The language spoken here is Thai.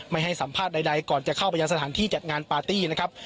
ไม่ให้สัมภาษณ์ใดก่อนจะเข้าไปยังสถานที่จัดงานปาร์ตี้นะครับ